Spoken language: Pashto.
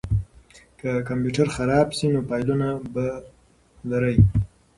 که کمپیوټر خراب شي نو فایلونه به لرئ.